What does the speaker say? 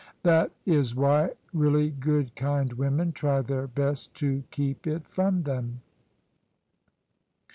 That IS why really good kind women try their best to keep It from them."